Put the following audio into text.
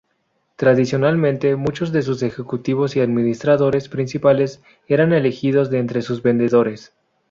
Tradicionalmente, muchos de sus ejecutivos y administradores principales eran elegidos de entre sus vendedores.